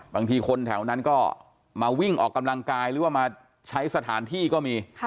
บางทีคนแถวนั้นก็มาวิ่งออกกำลังกายหรือว่ามาใช้สถานที่ก็มี